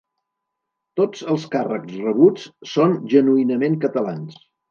Tots els càrrecs rebuts són genuïnament catalans.